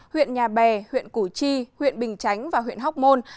huyện nhà bè huyện củ chi huyện bình chánh và huyện hóc môn